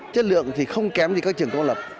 chất lượng thì không kém như các trường công lập